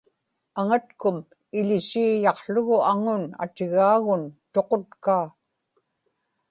aŋatkum iḷisiiyaqługu aŋun atigaagun tuqutkaa